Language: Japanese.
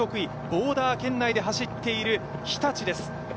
ボーダー圏内で走っている日立です。